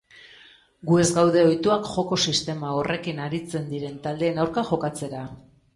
Gu ez gaude ohituak joko sistema horrekin arizen diren taldeen aurka jokatzera.